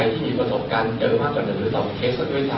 ที่มีประสบการณ์เจอมากกว่าเกินหรือสองเคสก็ไม่ได้ทำ